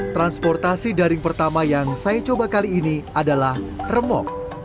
transportasi daring pertama yang saya coba kali ini adalah remok